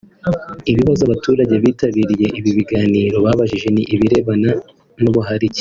Ibibazo abaturage bitabiriye ibi biganiro babajije ni ibirebana n’ubuharike